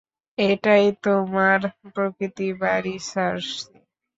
এটাই তোমার প্রকৃতি বাড়ি, সার্সি।